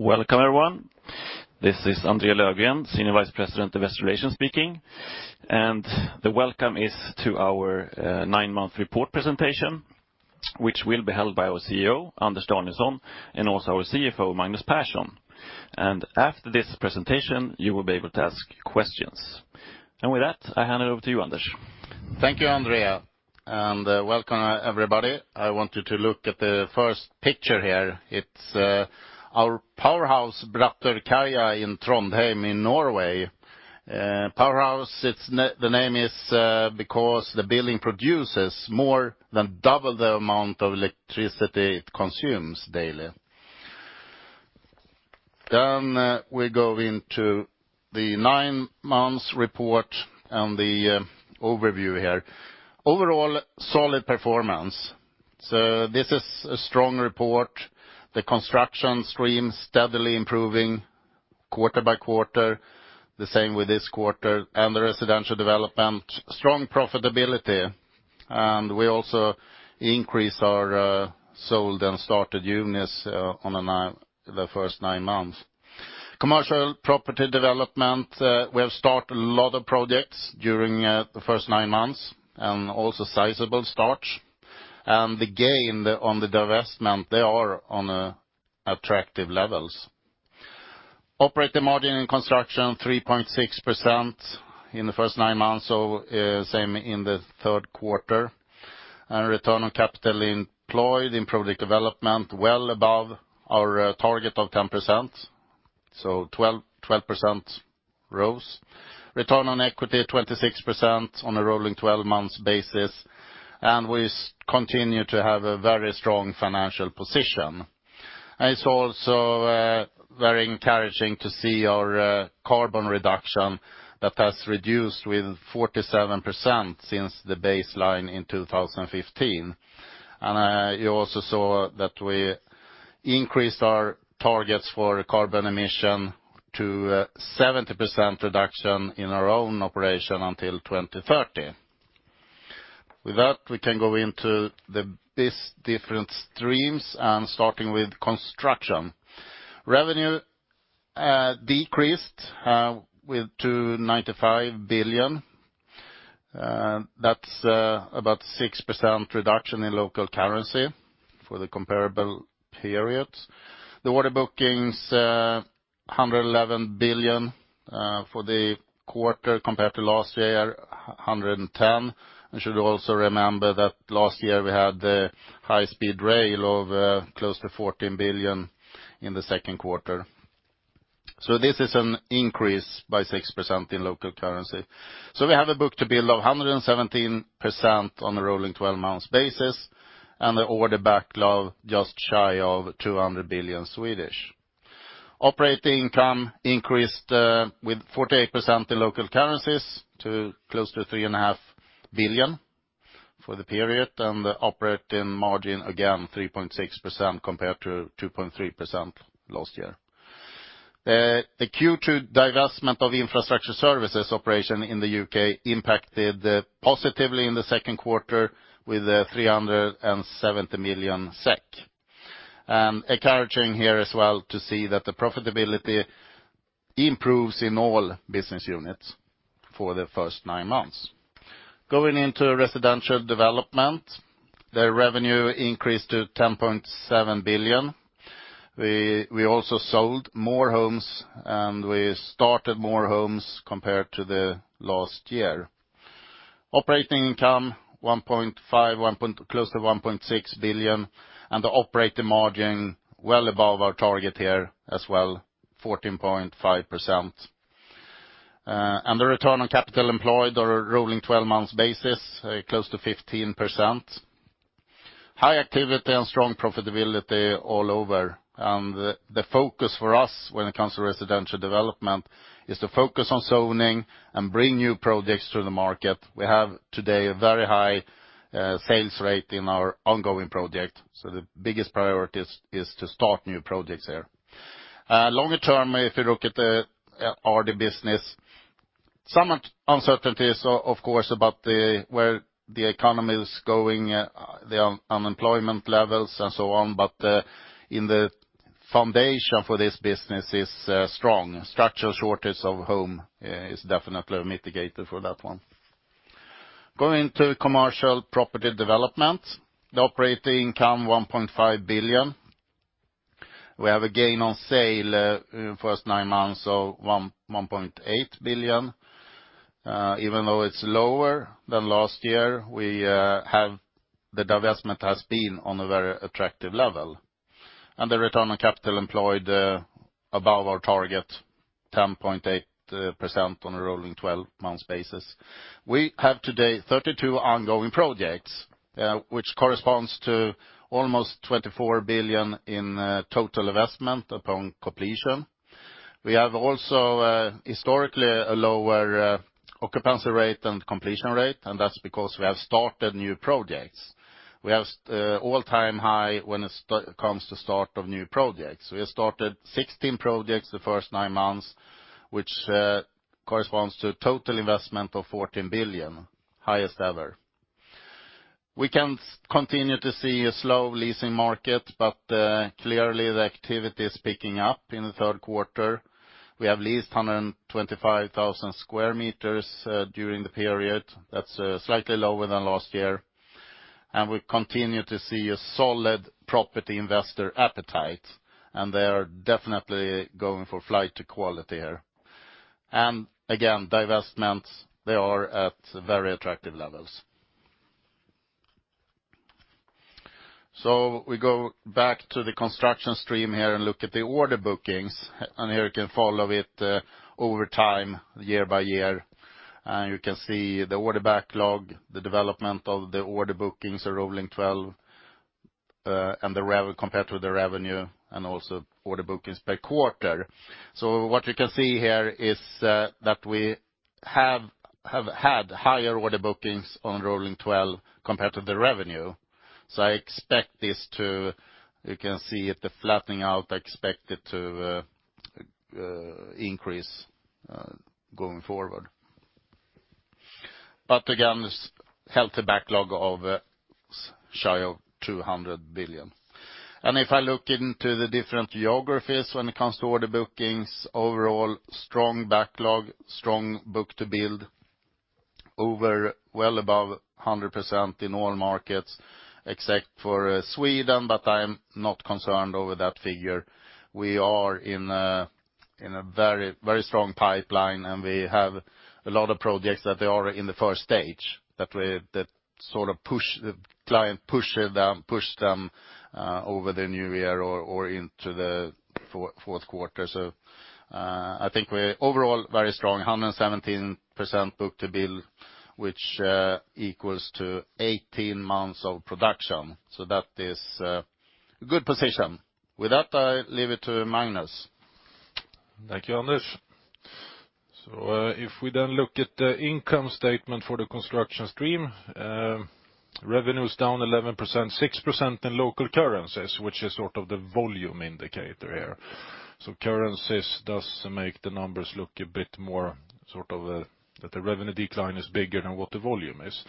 Welcome, everyone. This is André Löfgren, Senior Vice President, Investor Relations speaking. The welcome is to our nine-month report presentation, which will be held by our CEO, Anders Danielsson, and also our CFO, Magnus Persson. After this presentation, you will be able to ask questions. With that, I hand it over to you, Anders. Thank you, André, and welcome, everybody. I want you to look at the first picture here. It's our Powerhouse, Brattørkaia in Trondheim in Norway. Powerhouse, the name is because the building produces more than double the amount of electricity it consumes daily. We go into the nine months report and the overview here. Overall solid performance. This is a strong report. The Construction stream steadily improving quarter-by-quarter, the same with this quarter and the Residential Development. Strong profitability. We also increase our sold and started units on the first nine months. Commercial Property Development, we have started a lot of projects during the first nine months, and also sizable starts. The gain on the divestment, they are on attractive levels. Operating margin in construction, 3.6% in the first nine months, same in the third quarter. Return on capital employed in project development well above our target of 10%. 12% ROCE. Return on equity, 26% on a rolling 12 months basis. We continue to have a very strong financial position. It's also very encouraging to see our carbon reduction that has reduced with 47% since the baseline in 2015. You also saw that we increased our targets for carbon emission to 70% reduction in our own operation until 2030. With that, we can go into these different streams, starting with construction. Revenue decreased to 95 billion. That's about 6% reduction in local currency for the comparable periods. The order bookings, 111 billion, for the quarter compared to last year, 110 billion. We should also remember that last year we had the high-speed rail of close to 14 billion in the second quarter. This is an increase by 6% in local currency. We have a book-to-bill of 117% on a rolling 12-month basis, and the order backlog just shy of 200 billion. Operating income increased with 48% in local currencies to close to 3.5 billion for the period. The operating margin, again, 3.6% compared to 2.3% last year. The Q2 divestment of infrastructure services operation in the U.K. impacted positively in the second quarter with 370 million SEK. Encouraging here as well to see that the profitability improves in all business units for the first nine months. Going into Residential Development, the revenue increased to 10.7 billion. We also sold more homes, and we started more homes compared to the last year. Operating income 1.5 billion close to 1.6 billion, and the operating margin well above our target here as well, 14.5%. And the return on capital employed on a rolling 12 months basis close to 15%. High activity and strong profitability all over. The focus for us when it comes to Residential Development is to focus on zoning and bring new projects to the market. We have today a very high sales rate in our ongoing project, so the biggest priority is to start new projects here. Longer term, if you look at our business, some uncertainties of course about where the economy is going, the unemployment levels and so on. The foundation for this business is strong. Structural shortage of homes is definitely a mitigator for that one. Going to Commercial Property Development. The operating income 1.5 billion. We have a gain on sale in first nine months of 1.8 billion. Even though it's lower than last year, we have the divestment has been on a very attractive level. The return on capital employed above our target 10.8% on a rolling 12 months basis. We have today 32 ongoing projects, which corresponds to almost 24 billion in total investment upon completion. We have also historically a lower occupancy rate and completion rate, and that's because we have started new projects. We have all-time high when it comes to start of new projects. We have started 16 projects the first nine months, which corresponds to total investment of 14 billion, highest ever. We can continue to see a slow leasing market, but clearly the activity is picking up in the third quarter. We have leased 125,000 sq m during the period. That's slightly lower than last year. We continue to see a solid property investor appetite, and they are definitely going for flight to quality here. Again, divestments, they are at very attractive levels. We go back to the Construction stream here and look at the order bookings. Here you can follow it over time, year-by-year. You can see the order backlog, the development of the order bookings, a rolling 12, and compared to the revenue, and also order bookings per quarter. What you can see here is that we have had higher order bookings on rolling 12 compared to the revenue. I expect this to, you can see it, the flattening out. I expect it to increase going forward. Again, this healthy backlog of shy of 200 billion. If I look into the different geographies when it comes to order bookings, overall strong backlog, strong book-to-build, well above 100% in all markets, except for Sweden, but I'm not concerned over that figure. We are in a very, very strong pipeline, and we have a lot of projects that they are in the first stage, that the client pushed them over the new year or into the fourth quarter. I think we're overall very strong. 117% book-to-build, which equals to 18 months of production. That is a good position. With that, I leave it to Magnus. Thank you, Anders. If we then look at the income statement for the Construction stream, revenue's down 11%, 6% in local currencies, which is sort of the volume indicator here. Currencies does make the numbers look a bit more sort of that the revenue decline is bigger than what the volume is.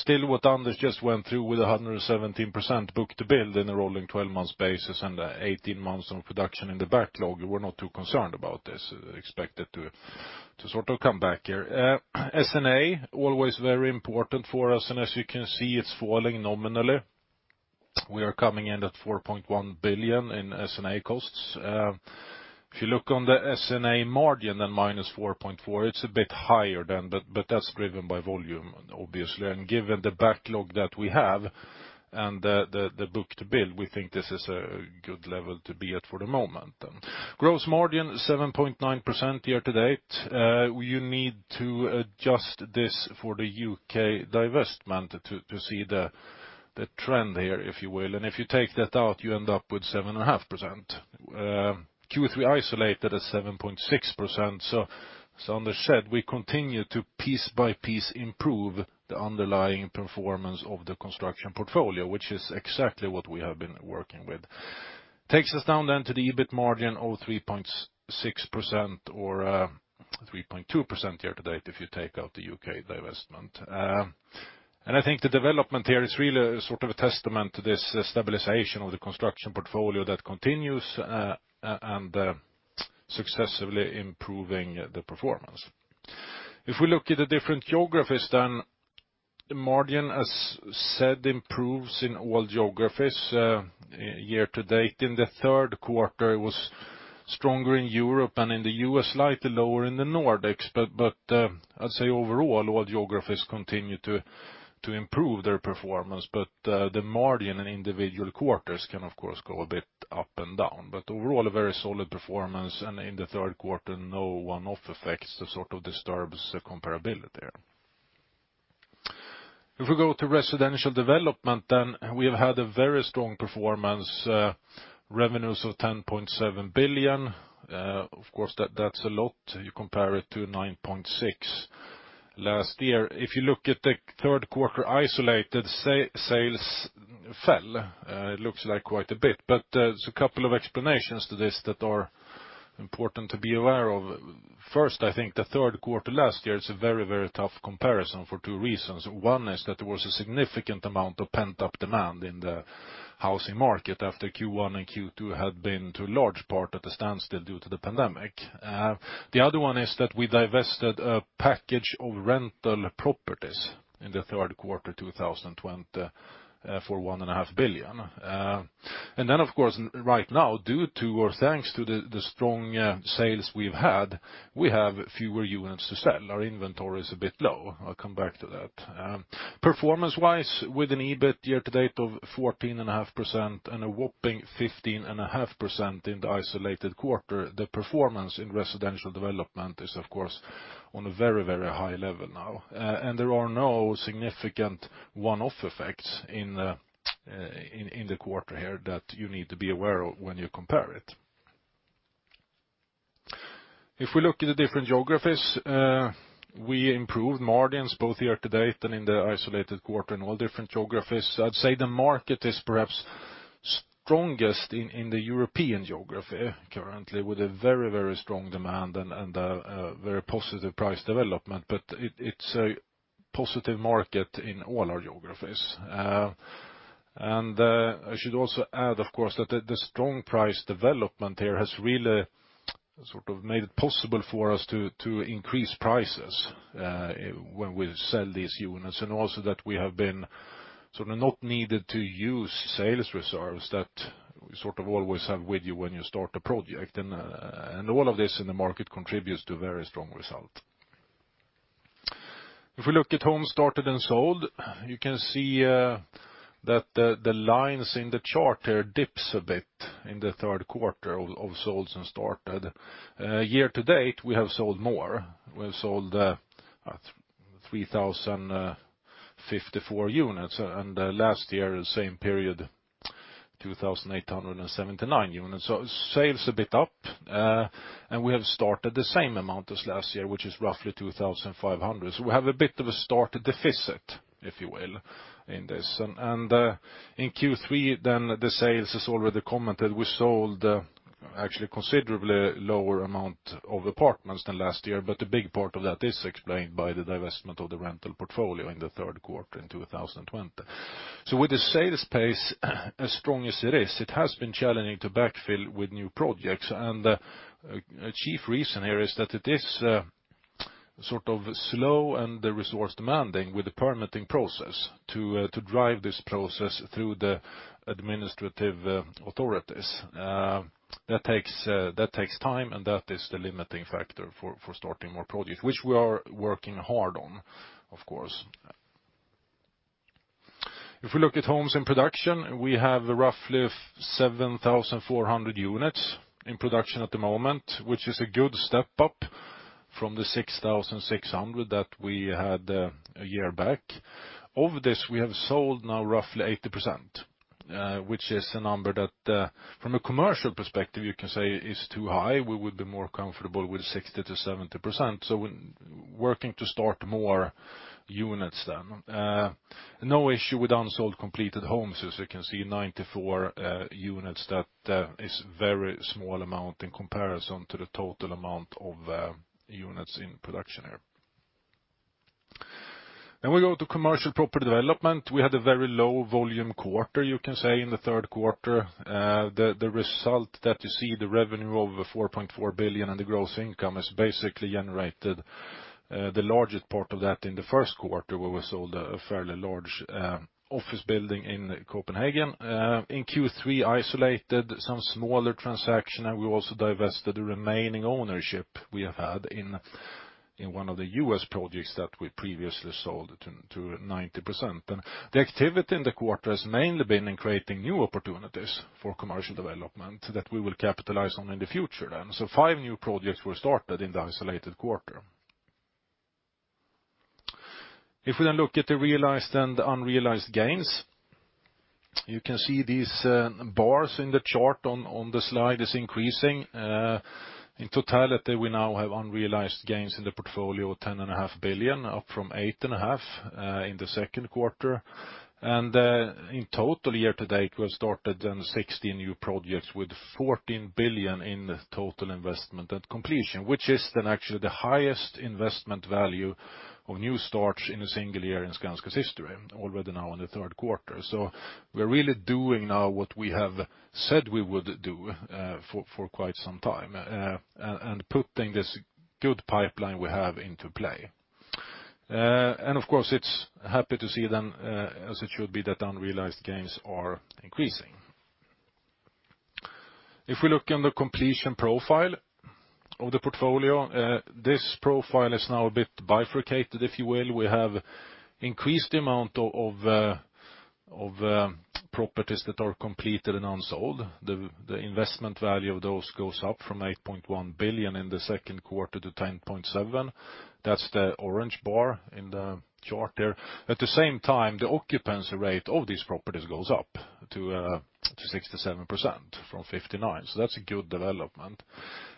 Still, what Anders just went through with 117% book-to-build in a rolling 12-month basis and 18 months of production in the backlog, we're not too concerned about this. Expected to sort of come back here. S&A, always very important for us. As you can see, it's falling nominally. We are coming in at 4.1 billion in S&A costs. If you look on the S&A margin, then -4.4%, it's a bit higher than, but that's driven by volume obviously. Given the backlog that we have and the book-to-build, we think this is a good level to be at for the moment. Gross margin 7.9% year-to-date. You need to adjust this for the U.K. divestment to see the trend here, if you will. If you take that out, you end up with 7.5%. Q3 isolated is 7.6%, so as Anders said, we continue to piece by piece improve the underlying performance of the construction portfolio, which is exactly what we have been working with. Takes us down then to the EBIT margin, 3.6% or 3.2% year-to-date if you take out the U.K. divestment. I think the development here is really sort of a testament to this stabilization of the construction portfolio that continues successfully improving the performance. If we look at the different geographies, the margin, as said, improves in all geographies year-to-date. In the third quarter, it was stronger in Europe, and in the U.S., slightly lower in the Nordics. I'd say overall, all geographies continue to improve their performance. The margin in individual quarters can of course go a bit up and down, but overall a very solid performance. In the third quarter, no one-off effects that sort of disturbs the comparability here. If we go to Residential Development, we have had a very strong performance, revenues of 10.7 billion. Of course that's a lot. You compare it to 9.6 billion last year. If you look at the third quarter isolated, sales fell, it looks like quite a bit. There's a couple of explanations to this that are important to be aware of. First, I think the third quarter last year is a very, very tough comparison for two reasons. One is that there was a significant amount of pent-up demand in the housing market after Q1 and Q2 had been, to a large part, at a standstill due to the pandemic. The other one is that we divested a package of rental properties in the third quarter 2020, for 1.5 billion. Of course right now, due to or thanks to the strong sales we've had, we have fewer units to sell. Our inventory is a bit low. I'll come back to that. Performance-wise, with an EBIT year-to-date of 14.5% and a whopping 15.5% in the isolated quarter, the performance in Residential Development is of course on a very, very high level now. There are no significant one-off effects in the quarter here that you need to be aware of when you compare it. If we look at the different geographies, we improved margins both year to date and in the isolated quarter in all different geographies. I'd say the market is perhaps strongest in the European geography currently with a very, very strong demand and a very positive price development. It's a positive market in all our geographies. I should also add, of course, that the strong price development here has really sort of made it possible for us to increase prices when we sell these units, and also that we have been sort of not needed to use sales reserves that we sort of always have with you when you start a project. All of this in the market contributes to very strong result. If we look at homes started and sold, you can see that the lines in the chart there dips a bit in the third quarter of solds and started. Year-to-date, we have sold more. We've sold 3,054 units, and last year, same period, 2,879 units. Sales a bit up, and we have started the same amount as last year, which is roughly 2,500. We have a bit of a start deficit, if you will, in this. In Q3 then the sales, as already commented, we sold actually considerably lower amount of apartments than last year, but a big part of that is explained by the divestment of the rental portfolio in the third quarter in 2020. With the sales pace as strong as it is, it has been challenging to backfill with new projects. A chief reason here is that it is sort of slow and resource demanding with the permitting process to drive this process through the administrative authorities. That takes time, and that is the limiting factor for starting more projects, which we are working hard on, of course. If we look at homes in production, we have roughly 7,400 units in production at the moment, which is a good step up from the 6,600 that we had a year back. Of this, we have sold now roughly 80%, which is a number that from a commercial perspective, you can say is too high. We would be more comfortable with 60%-70%, so we're working to start more units then. No issue with unsold completed homes. As you can see, 94 units. That is very small amount in comparison to the total amount of units in production here. We go to Commercial Property Development. We had a very low volume quarter, you can say, in the third quarter. The result that you see, the revenue of 4.4 billion and the gross income is basically generated, the largest part of that in the first quarter, where we sold a fairly large office building in Copenhagen. In Q3, isolated some smaller transaction, and we also divested the remaining ownership we have had in one of the U.S. projects that we previously sold to 90%. The activity in the quarter has mainly been in creating new opportunities for commercial development that we will capitalize on in the future then. Five new projects were started in the isolated quarter. If we then look at the realized and unrealized gains, you can see these bars in the chart on the slide is increasing. In totality, we now have unrealized gains in the portfolio, 10.5 billion, up from 8.5 billion in the second quarter. In total year-to-date, we have started then 60 new projects with 14 billion in total investment at completion, which is then actually the highest investment value of new starts in a single year in Skanska's history, already now in the third quarter. We're really doing now what we have said we would do for quite some time and putting this good pipeline we have into play. Of course, it's happy to see then, as it should be, that unrealized gains are increasing. If we look on the completion profile of the portfolio, this profile is now a bit bifurcated, if you will. We have increased the amount of properties that are completed and unsold. The investment value of those goes up from 8.1 billion in the second quarter to 10.7 billion. That's the orange bar in the chart there. At the same time, the occupancy rate of these properties goes up to 67% from 59%. That's a good development.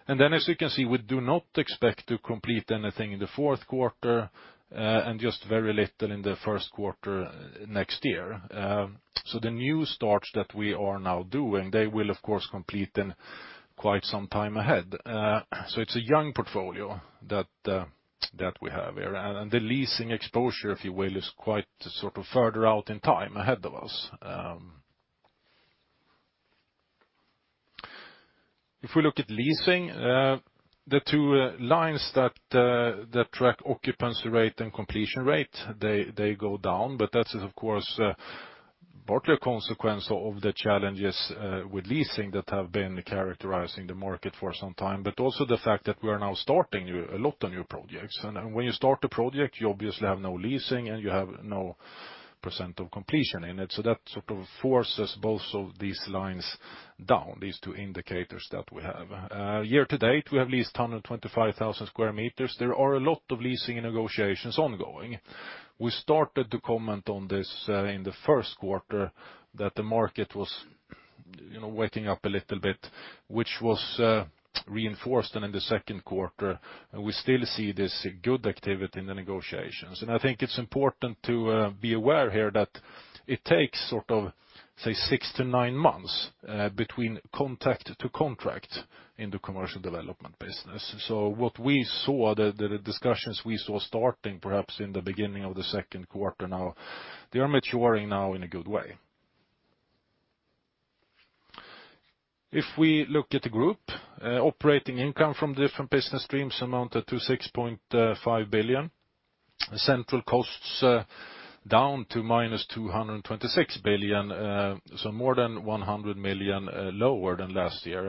As you can see, we do not expect to complete anything in the fourth quarter and just very little in the first quarter next year. The new starts that we are now doing, they will of course complete in quite some time ahead. It's a young portfolio that we have here. The leasing exposure, if you will, is quite sort of further out in time ahead of us. If we look at leasing, the two lines that track occupancy rate and completion rate, they go down. That's of course partly a consequence of the challenges with leasing that have been characterizing the market for some time. Also the fact that we are now starting a lot of new projects. When you start a project, you obviously have no leasing and you have no percent of completion in it. That sort of forces both of these lines down, these two indicators that we have. Year-to-date, we have leased 125,000 sq m. There are a lot of leasing negotiations ongoing. We started to comment on this in the first quarter that the market was, you know, waking up a little bit, which was reinforced. In the second quarter, we still see this good activity in the negotiations. I think it's important to be aware here that it takes sort of, say, six to nine months between contact to contract in the commercial development business. What we saw, the discussions we saw starting perhaps in the beginning of the second quarter now, they are maturing now in a good way. If we look at the group, operating income from different business streams amounted to 6.5 billion. Central costs down to -226 million, so more than 100 million lower than last year.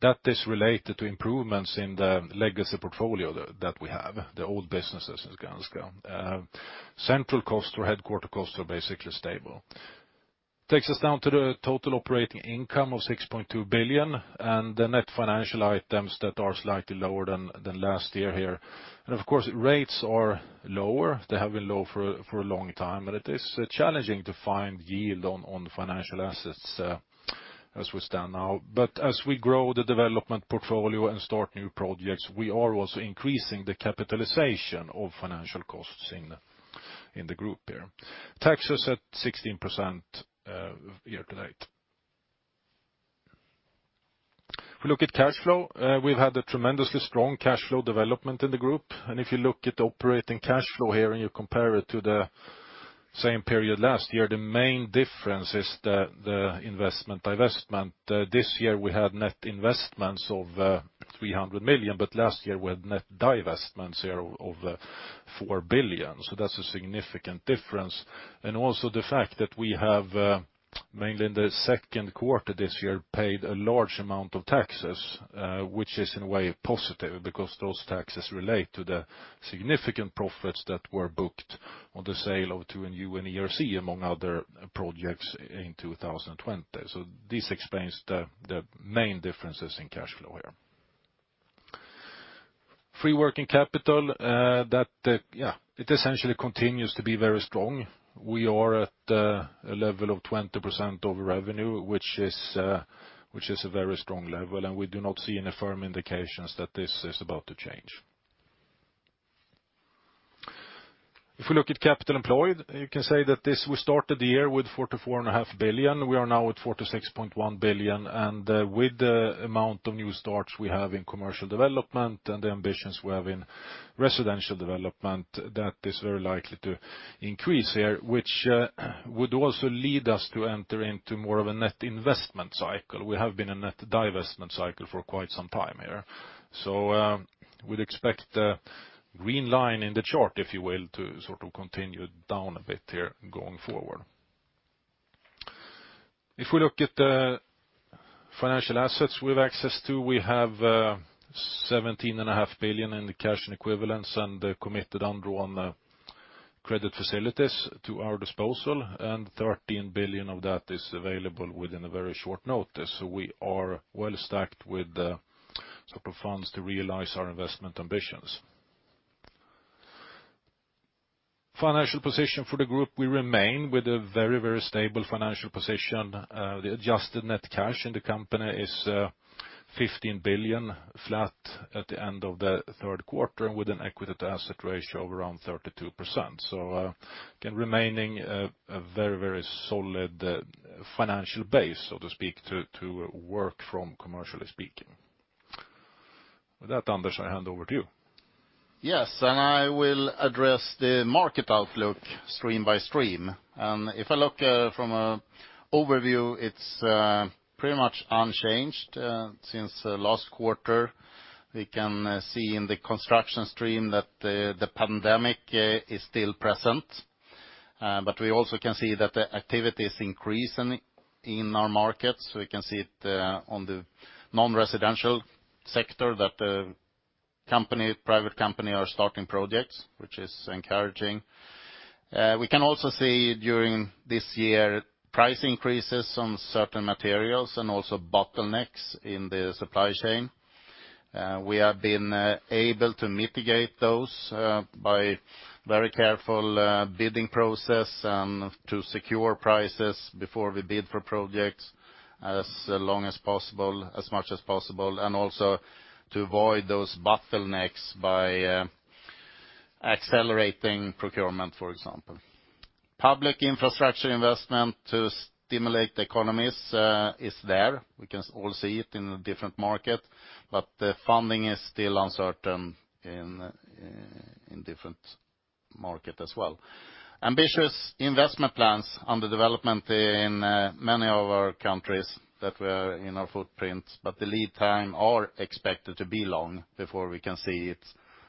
That is related to improvements in the legacy portfolio that we have, the old businesses in Skanska. Central costs or headquarters costs are basically stable. Takes us down to the total operating income of 6.2 billion, and the net financial items that are slightly lower than last year here. Of course, rates are lower. They have been low for a long time, but it is challenging to find yield on financial assets as we stand now. As we grow the development portfolio and start new projects, we are also increasing the capitalization of financial costs in the group here. Taxes at 16%, year-to-date. If we look at cash flow, we've had a tremendously strong cash flow development in the group. If you look at operating cash flow here, and you compare it to the same period last year, the main difference is the investment divestment. This year we had net investments of 300 million, but last year we had net divestments here of 4 billion. That's a significant difference. Also the fact that we have mainly in the second quarter this year paid a large amount of taxes, which is in a way positive because those taxes relate to the significant profits that were booked on the sale of 2NY and ERC, among other projects in 2020. This explains the main differences in cash flow here. Free working capital essentially continues to be very strong. We are at a level of 20% of revenue, which is a very strong level. We do not see any firm indications that this is about to change. If we look at capital employed, you can say that this, we started the year with 44.5 billion. We are now at 46.1 billion. With the amount of new starts we have in commercial development and the ambitions we have in residential development, that is very likely to increase here, which would also lead us to enter into more of a net investment cycle. We have been in a net divestment cycle for quite some time here. We'd expect the green line in the chart, if you will, to sort of continue down a bit here going forward. If we look at the financial assets we have access to, we have 17.5 billion in the cash and equivalents and the committed undrawn credit facilities at our disposal, and 13 billion of that is available on very short notice. We are well-stacked with sort of funds to realize our investment ambitions. Financial position for the group, we remain with a very, very stable financial position. The adjusted net cash in the company is 15 billion flat at the end of the third quarter with an equity-to-asset ratio of around 32%. Again, remaining a very, very solid financial base, so to speak, to work from commercially speaking. With that, Anders, I hand over to you. Yes, I will address the market outlook stream by stream. If I look from overview, it's pretty much unchanged since the last quarter. We can see in the construction stream that the pandemic is still present. But we also can see that the activity is increasing in our markets. We can see it on the non-residential sector that companies, private companies are starting projects, which is encouraging. We can also see during this year price increases on certain materials and also bottlenecks in the supply chain. We have been able to mitigate those by very careful bidding process and to secure prices before we bid for projects as long as possible, as much as possible, and also to avoid those bottlenecks by accelerating procurement, for example. Public infrastructure investment to stimulate the economies is there. We can all see it in a different market, but the funding is still uncertain in different markets as well. Ambitious investment plans under development in many of our countries that we're in our footprint, but the lead time are expected to be long before we can see it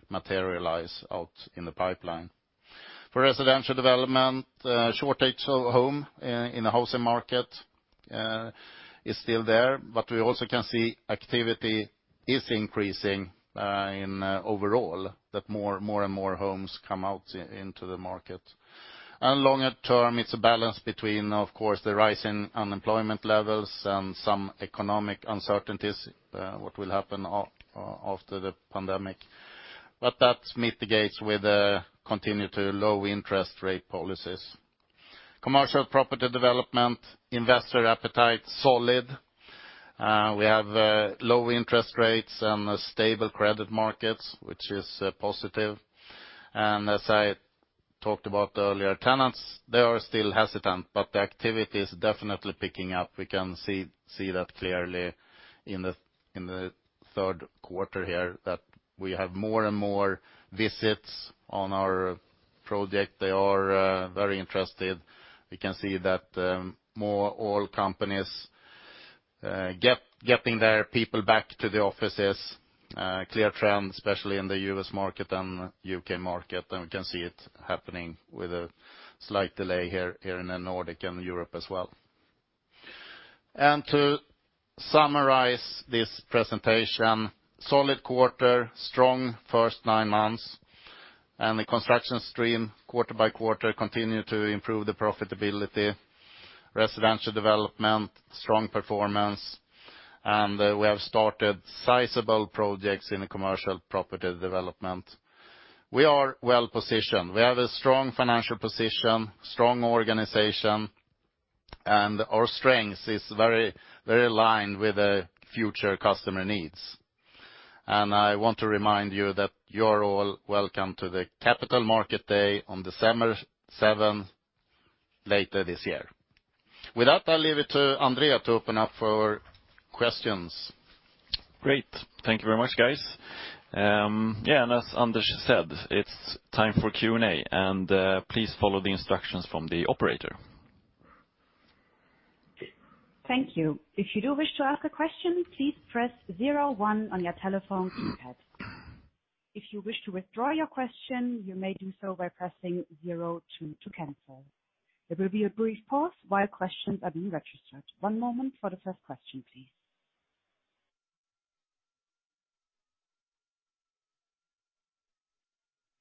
materialize out in the pipeline. For Residential Development, shortage of homes in the housing market is still there. We also can see activity is increasing overall that more and more homes come out into the market. Longer term, it's a balance between, of course, the rise in unemployment levels and some economic uncertainties what will happen after the pandemic. That mitigates with the continued low-interest rate policies. Commercial Property Development, investor appetite solid. We have low interest rates and stable credit markets, which is positive. As I talked about earlier, tenants, they are still hesitant, but the activity is definitely picking up. We can see that clearly in the third quarter here that we have more and more visits on our project. They are very interested. We can see that more oil companies getting their people back to the offices. Clear trend, especially in the U.S. market and U.K. market, and we can see it happening with a slight delay here in the Nordic and Europe as well. To summarize this presentation, solid quarter, strong first nine months, and the Construction stream quarter-by-quarter continue to improve the profitability. Residential Development, strong performance, and we have started sizable projects in the Commercial Property Development. We are well-positioned. We have a strong financial position, strong organization, and our strength is very, very aligned with the future customer needs. I want to remind you that you're all welcome to the Capital Market Day on December 7th later this year. With that, I'll leave it to André to open up for questions. Great. Thank you very much, guys. Yeah, and as Anders said, it's time for Q&A, and please follow the instructions from the operator.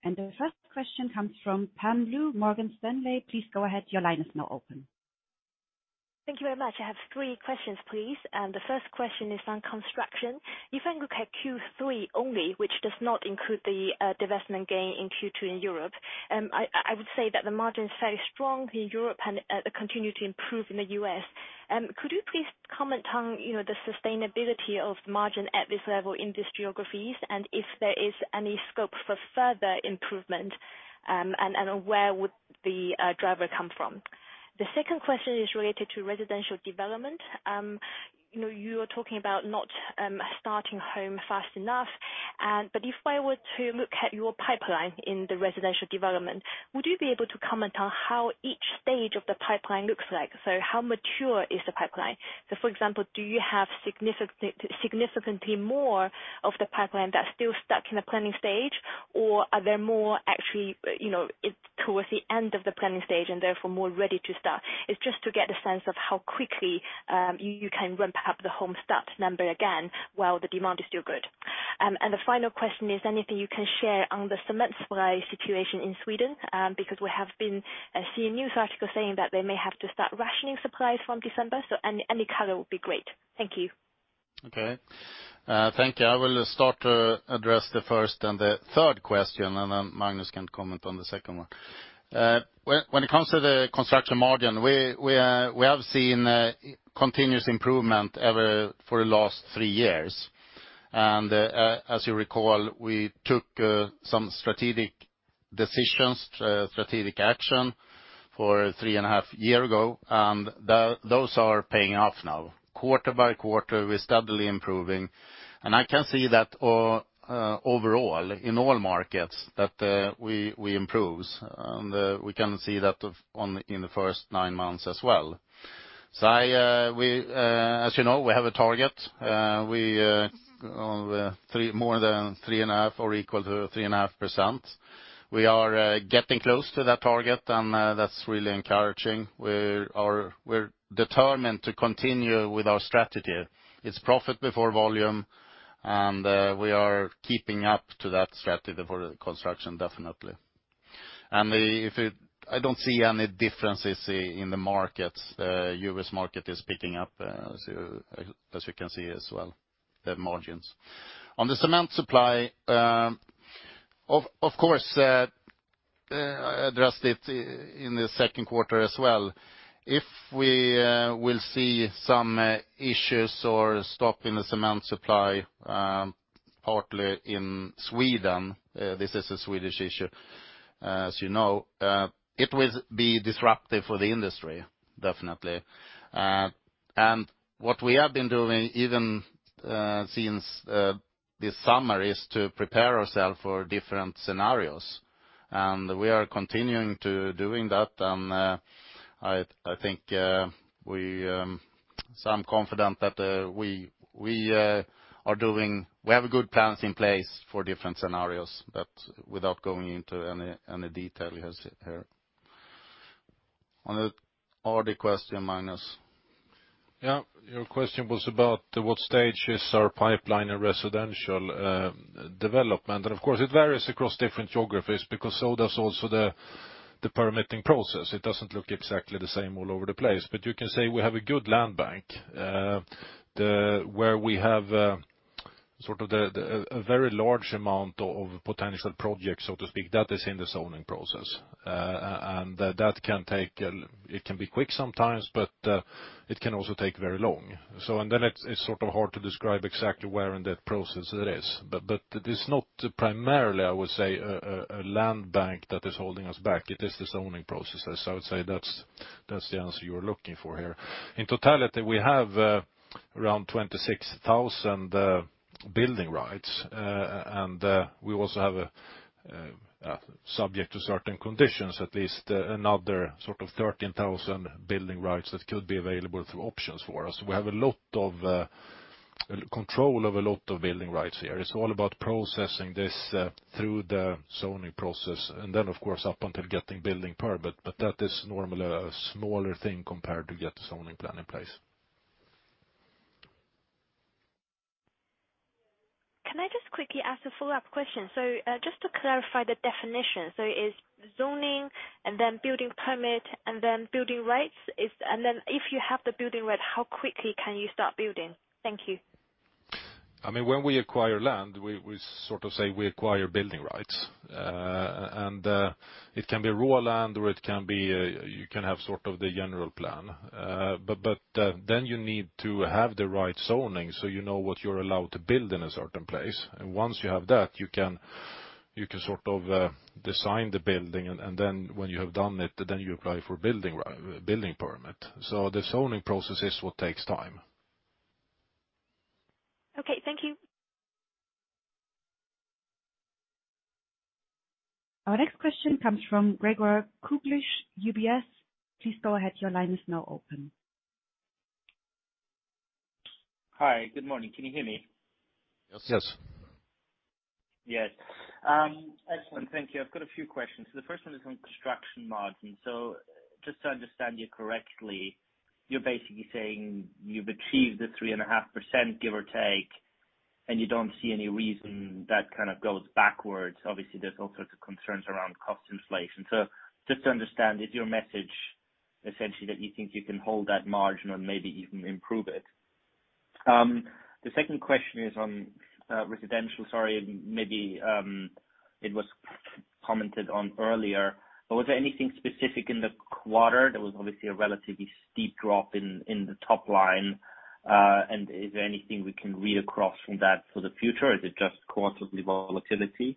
The first question comes from Pam Liu, Morgan Stanley. Please go ahead. Your line is now open. Thank you very much. I have three questions, please. The first question is on Construction. If I look at Q3 only, which does not include the divestment gain in Q2 in Europe, I would say that the margin is fairly strong in Europe and continue to improve in the U.S. Could you please comment on, you know, the sustainability of margin at this level in these geographies, and if there is any scope for further improvement, and where would the driver come from? The second question is related to Residential Development. You know, you are talking about not starting homes fast enough. But if I were to look at your pipeline in the Residential Development, would you be able to comment on how each stage of the pipeline looks like? How mature is the pipeline? For example, do you have significantly more of the pipeline that's still stuck in the planning stage, or are there more actually, you know, it's towards the end of the planning stage and therefore more ready to start? It's just to get a sense of how quickly you can ramp up the home start number again while the demand is still good. The final question is anything you can share on the cement supply situation in Sweden, because we have been seeing news articles saying that they may have to start rationing supplies from December. Any color would be great. Thank you. Okay. Thank you. I will start to address the first and the third question, and then Magnus can comment on the second one. When it comes to the construction margin, we have seen continuous improvement for the last three years. As you recall, we took some strategic decisions, strategic action three and a half years ago, and those are paying off now. Quarter-by-quarter, we're steadily improving. I can see that overall in all markets that we improve. We can see that in the first nine months as well. As you know, we have a target of more than 3.5% or equal to 3.5%. We are getting close to that target, and that's really encouraging. We're determined to continue with our strategy. It's profit before volume, and we are keeping up to that strategy for the construction, definitely. I don't see any differences in the markets. U.S. market is picking up, so as you can see as well, the margins. On the cement supply, of course, I addressed it in the second quarter as well. If we will see some issues or stop in the cement supply, partly in Sweden, this is a Swedish issue, as you know, it will be disruptive for the industry, definitely. What we have been doing even since this summer is to prepare ourselves for different scenarios. We are continuing to doing that. I think I'm confident that we have good plans in place for different scenarios, but without going into any detail here. On the RD question, Magnus. Yeah. Your question was about what stage is our pipeline in Residential Development. Of course, it varies across different geographies because so does also the The permitting process, it doesn't look exactly the same all over the place. You can say we have a good land bank where we have sort of a very large amount of potential projects, so to speak. That is in the zoning process. That can take. It can be quick sometimes, but it can also take very long. It's sort of hard to describe exactly where in that process it is. It is not primarily, I would say, a land bank that is holding us back. It is the zoning processes. I would say that's the answer you are looking for here. In totality, we have around 26,000 building rights. We also have a subject to certain conditions, at least another sort of 13,000 building rights that could be available through options for us. We have a lot of control of a lot of building rights here. It's all about processing this through the zoning process. Of course, up until getting building permit, but that is normally a smaller thing compared to get the zoning plan in place. Can I just quickly ask a follow-up question? Just to clarify the definition, so it's zoning and then building permit, and then building rights. And then if you have the building right, how quickly can you start building? Thank you. I mean, when we acquire land, we sort of say we acquire building rights. It can be raw land or it can be, you can have sort of the general plan. Then you need to have the right zoning, so you know what you're allowed to build in a certain place. Once you have that, you can sort of design the building. Then when you have done it, then you apply for building permit. The zoning process is what takes time. Okay, thank you. Our next question comes from Gregor Kuglitsch, UBS. Please go ahead. Your line is now open. Hi. Good morning. Can you hear me? Yes. Yes. Yes. Excellent. Thank you. I've got a few questions. The first one is on Construction margin. So just to understand you correctly, you're basically saying you've achieved the 3.5%, give or take, and you don't see any reason that kind of goes backwards. Obviously, there's all sorts of concerns around cost inflation. So just to understand, is your message essentially that you think you can hold that margin or maybe even improve it? The second question is on Residential. Sorry, maybe, it was commented on earlier. Was there anything specific in the quarter? There was obviously a relatively steep drop in the top line. Is there anything we can read across from that for the future? Is it just quarterly volatility?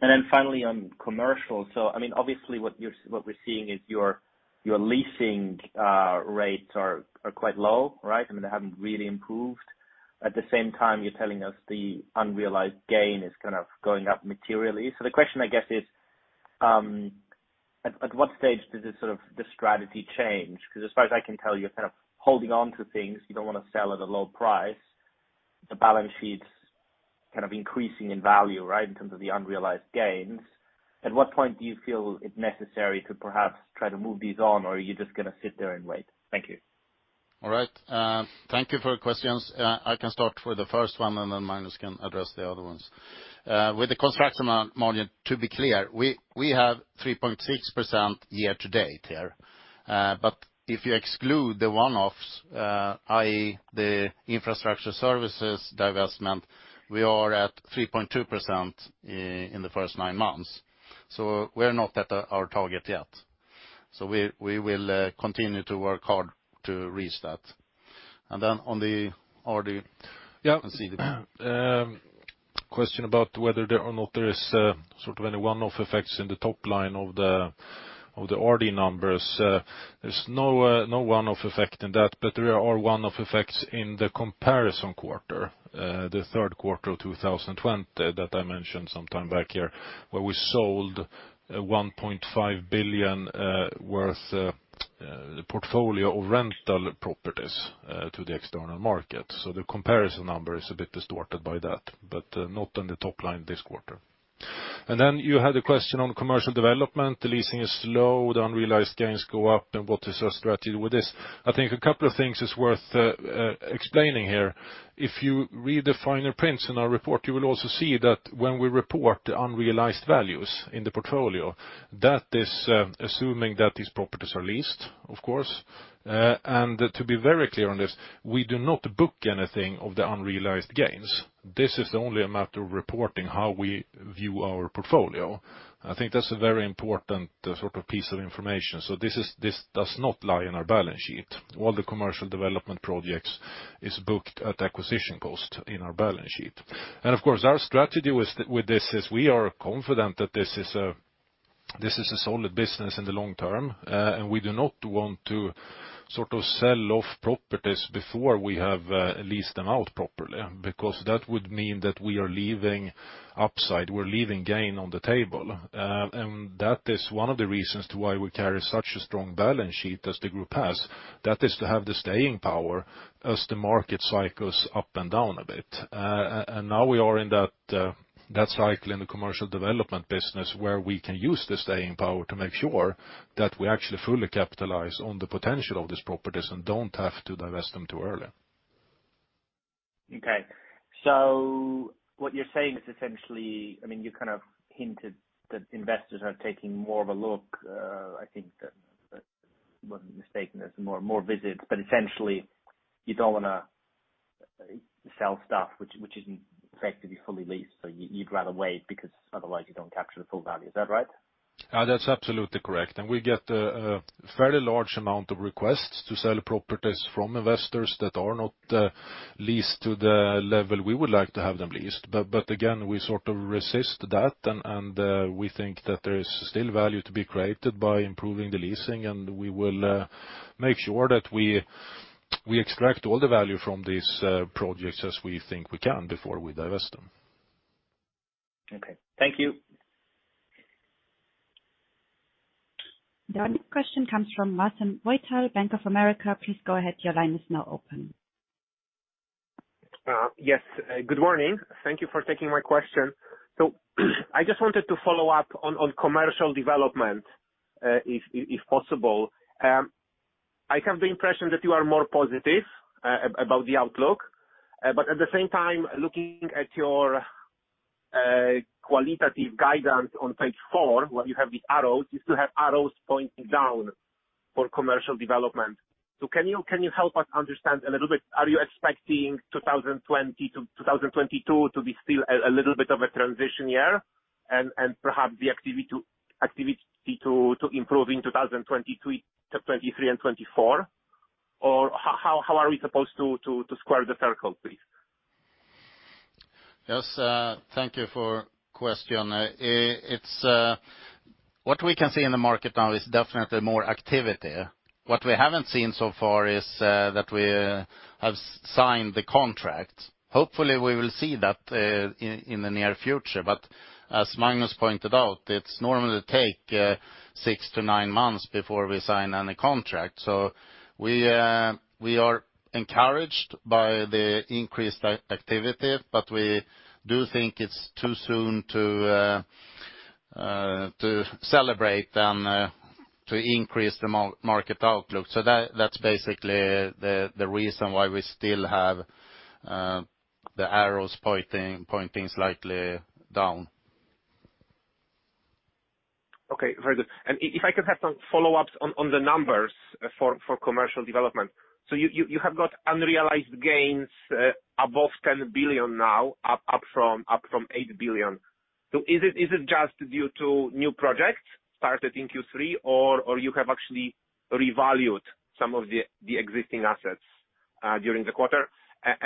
Then finally on Commercial. I mean, obviously what we're seeing is your leasing rates are quite low, right? I mean, they haven't really improved. At the same time, you're telling us the unrealized gain is kind of going up materially. The question, I guess, is at what stage does this sort of the strategy change? Because as far as I can tell, you're kind of holding on to things you don't want to sell at a low price. The balance sheet's kind of increasing in value, right, in terms of the unrealized gains. At what point do you feel it necessary to perhaps try to move these on, or are you just gonna sit there and wait? Thank you. All right. Thank you for your questions. I can start for the first one, and then Magnus can address the other ones. With the construction margin, to be clear, we have 3.6% year-to-date here. But if you exclude the one-offs, i.e., the infrastructure services divestment, we are at 3.2% in the first nine months. We're not at our target yet. We will continue to work hard to reach that. On the RD. I can see. Question about whether or not there is sort of any one-off effects in the top line of the RD numbers. There's no one-off effect in that, but there are one-off effects in the comparison quarter, the third quarter of 2020 that I mentioned some time back here, where we sold 1.5 billion worth of portfolio of rental properties to the external market. So the comparison number is a bit distorted by that, but not on the top line this quarter. Then you had a question on commercial development. The leasing is low, the unrealized gains go up, and what is our strategy with this? I think a couple of things is worth explaining here. If you read the fine print in our report, you will also see that when we report unrealized values in the portfolio, that is, assuming that these properties are leased, of course. To be very clear on this, we do not book anything of the unrealized gains. This is only a matter of reporting how we view our portfolio. I think that's a very important, sort of piece of information. This does not lie in our balance sheet. All the commercial development projects is booked at acquisition cost in our balance sheet. Of course, our strategy with this is we are confident that this is a solid business in the long term. We do not want to sort of sell off properties before we have leased them out properly, because that would mean that we are leaving upside, we're leaving gain on the table. That is one of the reasons to why we carry such a strong balance sheet as the group has. That is to have the staying power as the market cycles up and down a bit. Now we are in that cycle in the commercial development business where we can use the staying power to make sure that we actually fully capitalize on the potential of these properties and don't have to divest them too early. Okay. What you're saying is essentially, I mean, you kind of hinted that investors are taking more of a look. I think that if I'm not mistaken, there's more visits. But essentially, you don't wanna sell stuff which isn't effectively fully leased, so you'd rather wait because otherwise you don't capture the full value. Is that right? That's absolutely correct. We get a fairly large amount of requests to sell properties from investors that are not leased to the level we would like to have them leased. But again, we sort of resist that and we think that there is still value to be created by improving the leasing, and we will make sure that we extract all the value from these projects as we think we can before we divest them. Okay. Thank you. The next question comes from Marcin Wojtal, Bank of America. Please go ahead. Your line is now open. Yes. Good morning. Thank you for taking my question. I just wanted to follow up on commercial development, if possible. I have the impression that you are more positive about the outlook. At the same time, looking at your qualitative guidance on page four, where you have these arrows, you still have arrows pointing down for commercial development. Can you help us understand a little bit? Are you expecting 2020-2022 to be still a little bit of a transition year and perhaps the activity to improve in 2022-2023 and 2024? How are we supposed to square the circle, please? Yes. Thank you for the question. It's what we can see in the market now is definitely more activity. What we haven't seen so far is that we have signed the contract. Hopefully, we will see that in the near future. As Magnus pointed out, it's normally take six to nine months before we sign any contract. We are encouraged by the increased activity, but we do think it's too soon to celebrate and to increase the market outlook. That's basically the reason why we still have the arrows pointing slightly down. Okay, very good. If I could have some follow-ups on the numbers for commercial development. You have got unrealized gains above 10 billion now, up from 8 billion. Is it just due to new projects started in Q3, or you have actually revalued some of the existing assets during the quarter?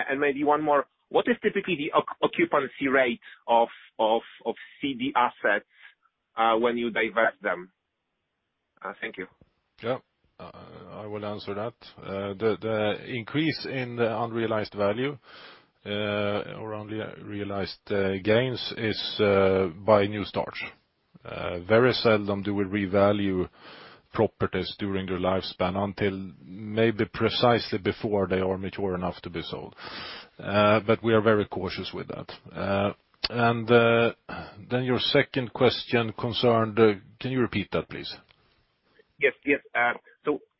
And maybe one more. What is typically the occupancy rate of CD assets when you divest them? Thank you. I will answer that. The increase in the unrealized gains is by new start. Very seldom do we revalue properties during their lifespan until maybe precisely before they are mature enough to be sold. But we are very cautious with that. Then your second question concerned. Can you repeat that, please? Yes. Yes.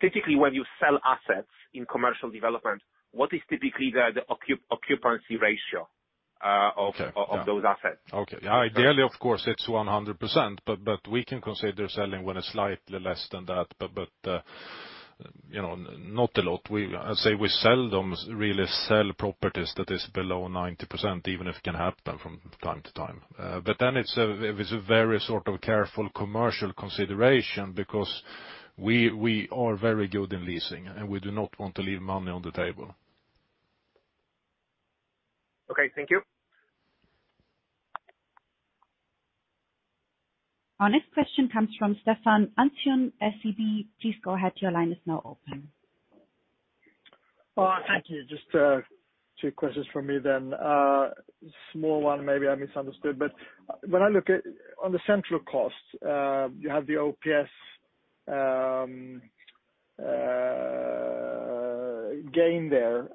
Typically, when you sell assets in commercial development, what is typically the occupancy ratio, of- Okay. Yeah. of those assets? Okay. Yeah. Ideally, of course, it's 100%. We can consider selling when it's slightly less than that. You know, not a lot. I say we seldom really sell properties that is below 90%, even if it can happen from time to time. Then it is a very sort of careful commercial consideration because we are very good in leasing, and we do not want to leave money on the table. Okay. Thank you. Our next question comes from Stefan Andersson, SEB. Please go ahead. Your line is now open. Oh, thank you. Just two questions from me then. Small one, maybe I misunderstood. When I look at, on the central cost, you have the OPS gain there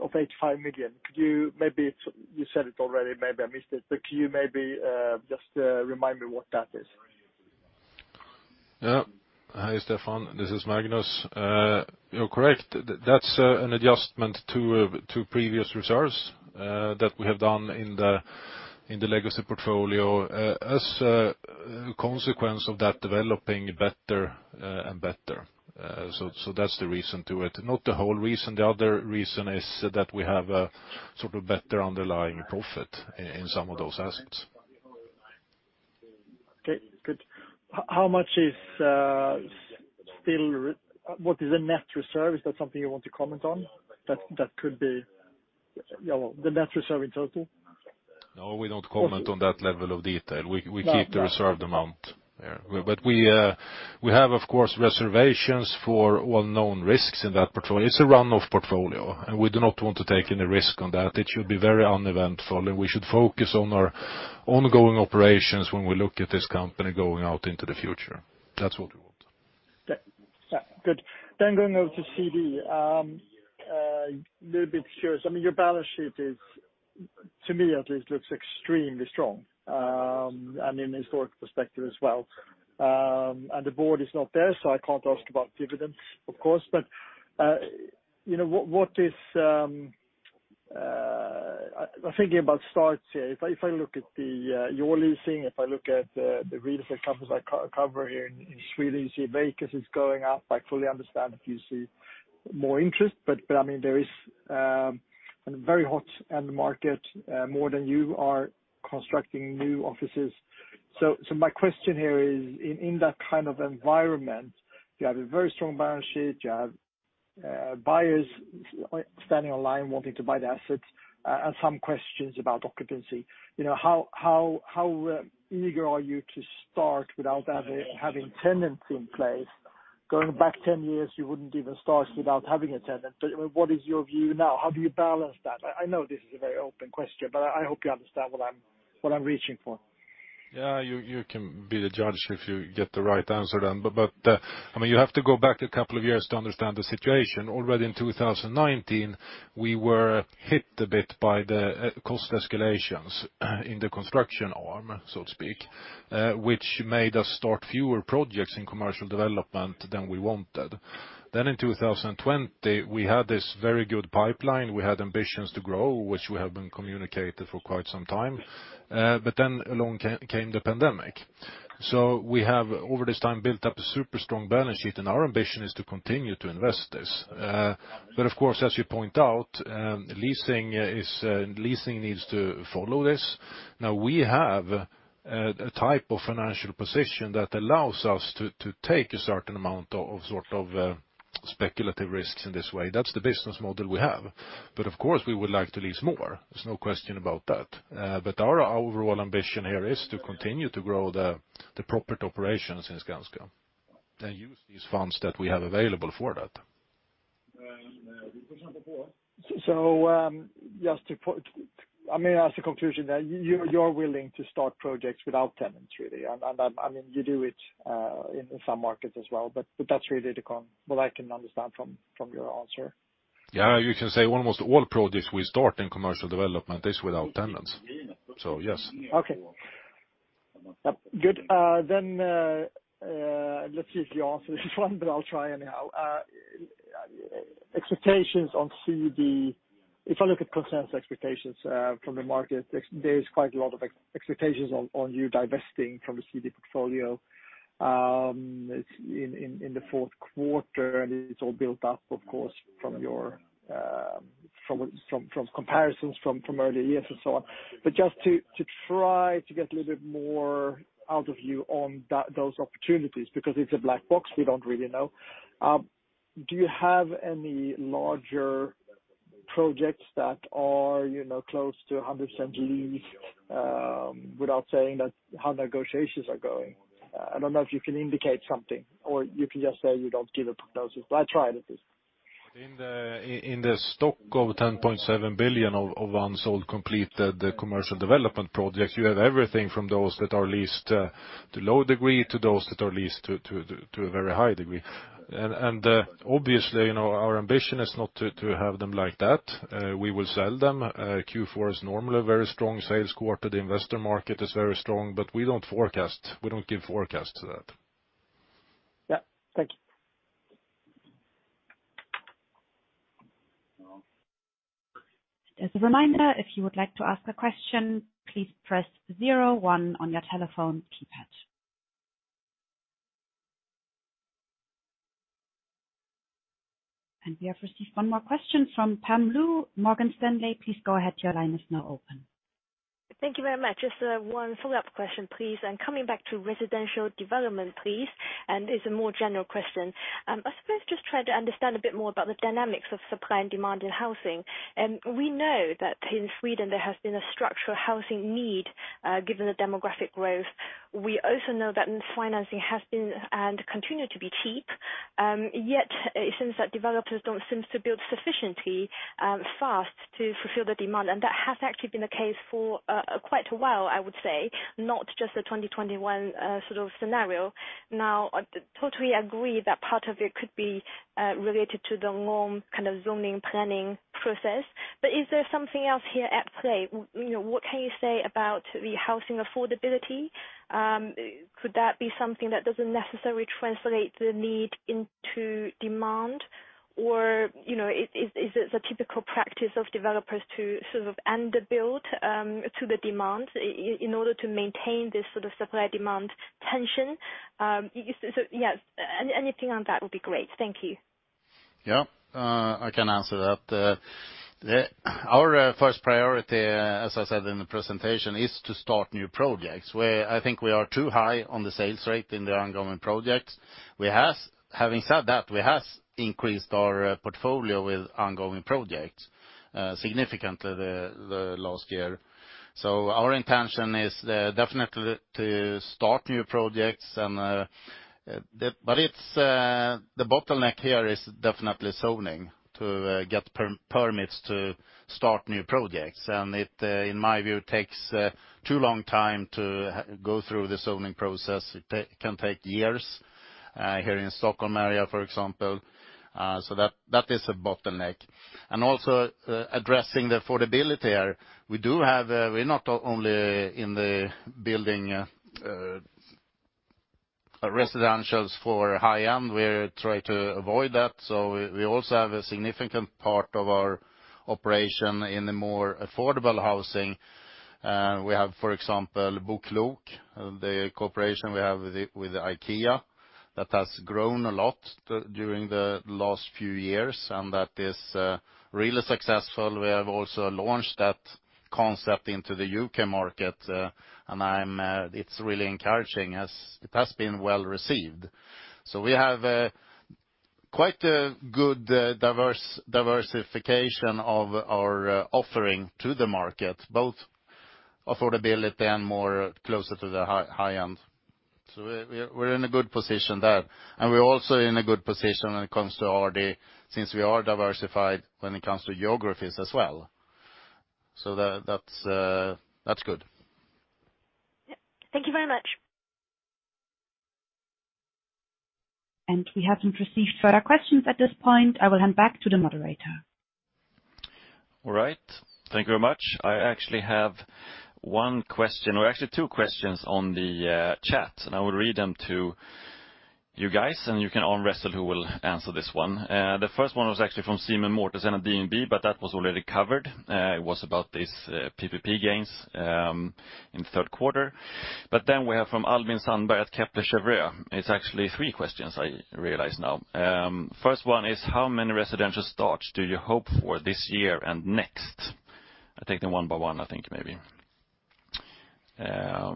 of 85 million. Could you maybe remind me? You said it already, maybe I missed it. Could you maybe just remind me what that is? Yeah. Hi, Stefan. This is Magnus. You're correct. That's an adjustment to previous reserves that we have done in the legacy portfolio as a consequence of that developing better and better. That's the reason to it. Not the whole reason. The other reason is that we have a sort of better underlying profit in some of those assets. Okay, good. What is the net reserve? Is that something you want to comment on? That could be, you know, the net reserve in total. No, we don't comment on that level of detail. Yeah. We keep the reserved amount. Yeah. We have, of course, reservations for well-known risks in that portfolio. It's a run-off portfolio, and we do not want to take any risk on that. It should be very uneventful, and we should focus on our ongoing operations when we look at this company going out into the future. That's what we want. Yeah. Good. Going over to CD, a little bit curious. I mean, your balance sheet to me at least looks extremely strong, and in historic perspective as well. The board is not there, so I can't ask about dividends, of course. You know, what I'm thinking about starts here. If I look at your leasing, if I look at the real estate companies I cover here in Sweden, you see vacancies is going up. I fully understand if you see more interest. I mean, there is a very hot end market more than you are constructing new offices. My question here is in that kind of environment, you have a very strong balance sheet. You have buyers standing online wanting to buy the assets, and some questions about occupancy. How eager are you to start without having tenants in place? Going back 10 years, you wouldn't even start without having a tenant. What is your view now? How do you balance that? I know this is a very open question, but I hope you understand what I'm reaching for. Yeah. You can be the judge if you get the right answer then. I mean you have to go back a couple of years to understand the situation. Already in 2019, we were hit a bit by the cost escalations in the Construction arm, so to speak, which made us start fewer projects in commercial development than we wanted. In 2020, we had this very good pipeline. We had ambitions to grow, which we have been communicated for quite some time. Along came the pandemic. We have, over this time, built up a super strong balance sheet, and our ambition is to continue to invest this. Of course, as you point out, leasing needs to follow this. Now, we have a type of financial position that allows us to take a certain amount of sort of speculative risks in this way. That's the business model we have. Of course, we would like to lease more. There's no question about that. Our overall ambition here is to continue to grow the property operations in Skanska and use these funds that we have available for that. May I ask the conclusion then. You're willing to start projects without tenants, really? I mean, you do it in some markets as well, but that's really what I can understand from your answer. Yeah. You can say almost all projects we start in commercial development is without tenants. Yes. Okay. Good. Let's see if you answer this one, but I'll try anyhow. Expectations on CD. If I look at consensus expectations from the market, there's quite a lot of expectations on you divesting from the CD portfolio in the fourth quarter. It's all built up, of course, from your comparisons from earlier years and so on. Just to try to get a little bit more out of you on that, those opportunities, because it's a black box. We don't really know. Do you have any larger projects that are, you know, close to 100% leased, without saying that how negotiations are going? I don't know if you can indicate something or you can just say you don't give a prognosis, but I try it at least. In the stock of 10.7 billion of unsold completed commercial development projects, you have everything from those that are leased to a low degree to those that are leased to a very high degree. Obviously, you know, our ambition is not to have them like that. We will sell them. Q4 is normally a very strong sales quarter. The investor market is very strong, but we don't forecast. We don't give forecast to that. Yeah. Thank you. As a reminder, if you would like to ask a question, please press zero one on your telephone keypad. We have received one more question from Pam Liu, Morgan Stanley. Please go ahead. Your line is now open. Thank you very much. Just, one follow-up question, please. Coming back to Residential Development, please, and it's a more general question. I suppose just trying to understand a bit more about the dynamics of supply and demand in housing. We know that in Sweden there has been a structural housing need, given the demographic growth. We also know that financing has been and continue to be cheap. Yet it seems that developers don't seem to build sufficiently, fast to fulfill the demand. That has actually been the case for quite a while, I would say. Not just the 2021, sort of scenario. Now, I totally agree that part of it could be related to the long kind of zoning planning process. Is there something else here at play? You know, what can you say about the housing affordability? Could that be something that doesn't necessarily translate the need into demand? Or, you know, is it a typical practice of developers to sort of under build to the demand in order to maintain this sort of supply demand tension? Yeah, anything on that would be great. Thank you. Yeah, I can answer that. Our first priority, as I said in the presentation, is to start new projects where I think we are too high on the sales rate in the ongoing projects. Having said that, we have increased our portfolio with ongoing projects significantly the last year. Our intention is definitely to start new projects, but it's the bottleneck here is definitely zoning to get permits to start new projects. In my view, it takes too long time to go through the zoning process. It can take years here in Stockholm area, for example. That is a bottleneck. Also, addressing the affordability. We do have. We're not only in the building. Residentials for high-end, we try to avoid that. We also have a significant part of our operation in the more affordable housing. We have, for example, BoKlok, the cooperation we have with IKEA that has grown a lot during the last few years, and that is really successful. We have also launched that concept into the U.K. market, and it's really encouraging as it has been well-received. We have quite a good diversification of our offering to the market, both affordability and more closer to the high-end. We're in a good position there. We're also in a good position when it comes to RD since we are diversified when it comes to geographies as well. That's good. Thank you very much. We haven't received further questions at this point. I will hand back to the moderator. All right. Thank you very much. I actually have one question, or actually two questions on the chat, and I will read them to you guys, and you can arm-wrestle who will answer this one. The first one was actually from Simen Mortensen at DNB, but that was already covered. It was about these PPP gains in the third quarter. Then we have from Albin Sandberg at Kepler Cheuvreux. It's actually three questions I realize now. First one is, how many residential starts do you hope for this year and next? I'll take them one by one, I think, maybe. Yeah.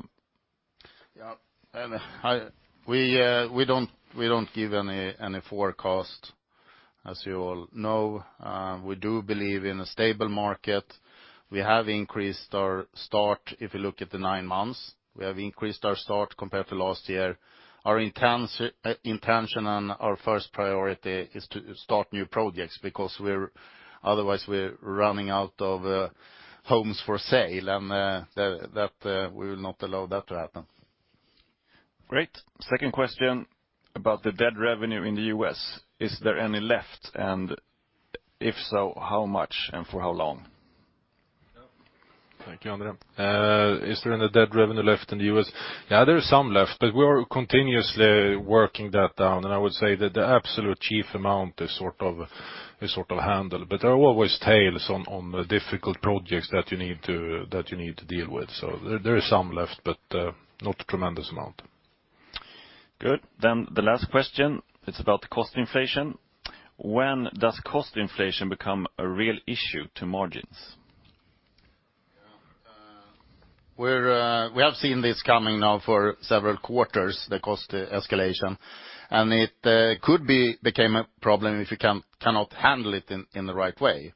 We don't give any forecast, as you all know. We do believe in a stable market. We have increased our start. If you look at the nine months, we have increased our start compared to last year. Our intention and our first priority is to start new projects because otherwise we're running out of homes for sale, and that we will not allow that to happen. Great. Second question about the dead revenue in the U.S. Is there any left? If so, how much and for how long? Thank you, André. Is there any dead revenue left in the U.S.? Yeah, there is some left, but we're continuously working that down. I would say that the absolute chief amount is sort of handled. There are always tails on the difficult projects that you need to deal with. There is some left, but not a tremendous amount. Good. The last question, it's about cost inflation. When does cost inflation become a real issue to margins? We have seen this coming now for several quarters, the cost escalation, and it could become a problem if you cannot handle it in the right way.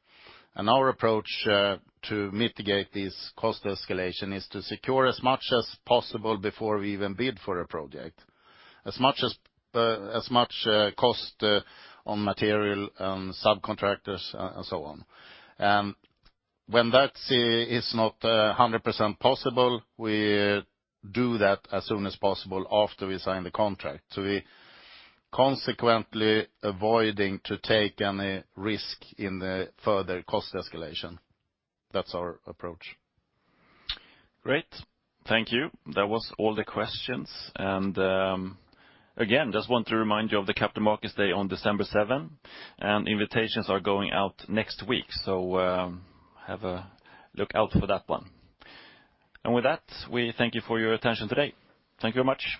Our approach to mitigate this cost escalation is to secure as much as possible before we even bid for a project, as much cost on material and subcontractors and so on. When that's not 100% possible, we do that as soon as possible after we sign the contract. We consequently avoiding to take any risk in the further cost escalation. That's our approach. Great. Thank you. That was all the questions. I just want to remind you of the Capital Market Day on December 7, and invitations are going out next week. Have a look out for that one. With that, we thank you for your attention today. Thank you very much.